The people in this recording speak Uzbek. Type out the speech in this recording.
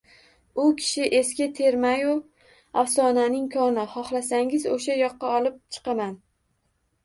U kishi eski termayu afsonaning koni. Xohlasangiz — oʼsha yoqqa olib chiqaman?..